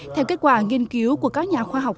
theo kết quả nghiên cứu của các nhà khoa học